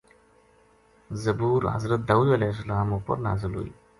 زبور حضرت داود علیہ السلام اپر نازل ہوئی۔